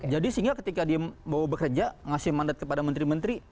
jadi sehingga ketika dia mau bekerja ngasih mandat kepada menteri menteri